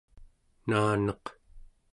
naaneq